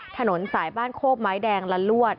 ถนนสายบ้านโคกไม้แดงละลวด